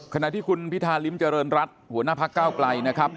ขณะที่คุณพิธาริมเจริญรัฐหัวหน้าพักเก้าไกลนะครับ